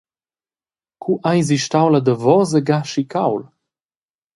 Cu eisi stau la davosa ga schi cauld?